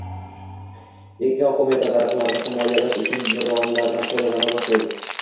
Ekoqo‘mita daraxtlarni himoyalash uchun dronlardan foydalana boshlaydi